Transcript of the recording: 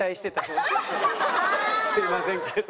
すみませんけど。